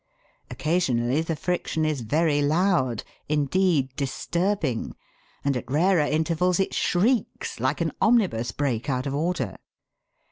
Occasionally the friction is very loud; indeed, disturbing, and at rarer intervals it shrieks, like an omnibus brake out of order.